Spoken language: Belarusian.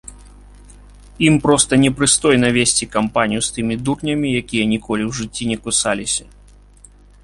Ім проста непрыстойна весці кампанію з тымі дурнямі, якія ніколі ў жыцці не кусаліся.